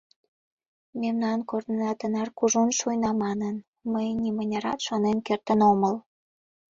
Мемнан корнына тынар кужун шуйна манын, мый нимынярат шонен кертын омыл.